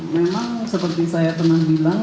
memang seperti saya pernah bilang